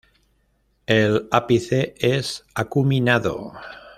El ápice es acuminado.